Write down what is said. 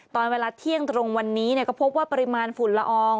ตอนเวลาเที่ยงตรงวันนี้ก็พบว่าปริมาณฝุ่นละออง